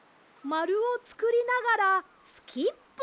まるをつくりながらスキップ。